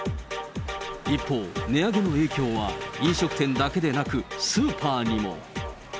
一方、値上げの影響は、飲食店だけでなく、スーパーにも。